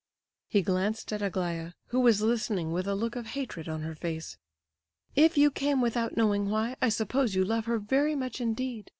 He glanced at Aglaya, who was listening with a look of hatred on her face. "If you came without knowing why, I suppose you love her very much indeed!"